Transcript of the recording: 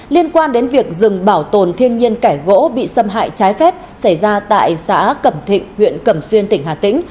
liên quan đến việc rừng bảo tồn thiên nhiên kẻ gỗ bị xâm hại trái phép xảy ra tại xã cẩm thịnh huyện cẩm xuyên tỉnh hà tĩnh